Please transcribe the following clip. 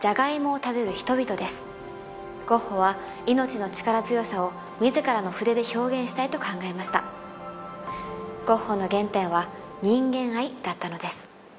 これはゴッホは命の力強さを自らの筆で表現したいと考えましたゴッホの原点は人間愛だったのです